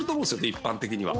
一般的には。